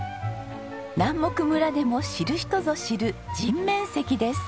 南牧村でも知る人ぞ知る人面石です。